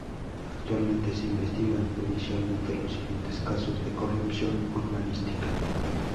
Actualmente se investigan judicialmente los siguientes casos de corrupción urbanística.